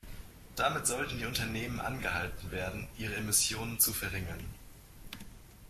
Damit sollten die Unternehmen angehalten werden, ihre Emissionen zu verringern.